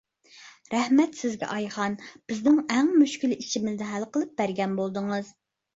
رەھمەت سىزگە، ئايخان، بىزنىڭ ئەڭ مۈشكۈل ئىشىمىزنى ھەل قىلىپ بەرگەن بولدىڭىز.